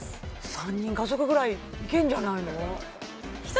３人家族ぐらいいけんじゃないの１人